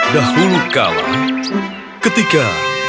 dahulu kala ketika